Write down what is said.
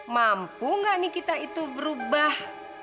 mampu gak niki itu berubah